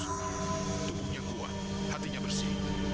tubuhnya kuat hatinya bersih